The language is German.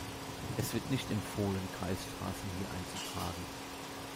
Es wird nicht empfohlen, Kreisstraßen hier einzutragen.